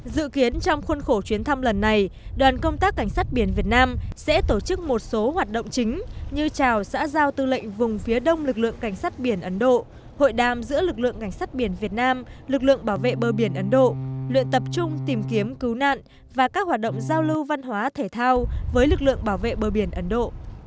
dự kiến trong khuôn khổ chuyến thăm lần này đoàn công tác cảnh sát biển việt nam sẽ tổ chức một số hoạt động chính như trào xã giao tư lệnh vùng phía đông lực lượng cảnh sát biển ấn độ hội đàm giữa lực lượng cảnh sát biển việt nam lực lượng bảo vệ bờ biển ấn độ luyện tập trung tìm kiếm cứu nạn và các hoạt động giao lưu văn hóa thể thao với lực lượng bảo vệ bờ biển ấn độ